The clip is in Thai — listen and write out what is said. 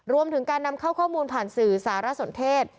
รวมถึงการนำเข้าข้อมูลผ่านสื่อสารสนเทศ